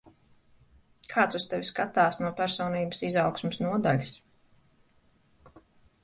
Kāds uz tevi skatās no personības izaugsmes nodaļas.